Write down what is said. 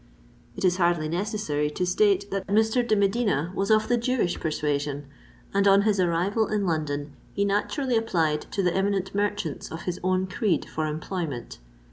It is hardly necessary to state that Mr. de Medina was of the Jewish persuasion; and on his arrival in London, he naturally applied to the eminent merchants of his own creed for employment.